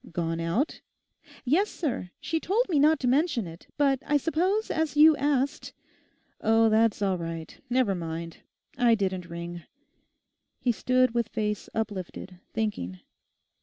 'Gone out?' 'Yes, sir; she told me not to mention it; but I suppose as you asked—' 'Oh, that's all right; never mind; I didn't ring.' He stood with face uplifted, thinking.